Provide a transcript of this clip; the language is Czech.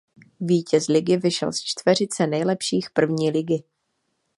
Vítěz ligy vyšel z čtveřice nejlepších první ligy.